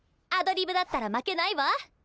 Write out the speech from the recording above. アドリブだったら負けないわ。